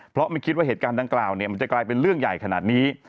เพราะไม่คิดว่าเหตุการณ์ดังกล่าวมันจะกลายเป็นเรื่องใหญ่ขนาดนี้